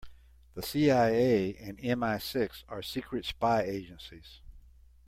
The CIA and MI-Six are secret spy agencies.